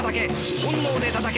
本能でたたけ。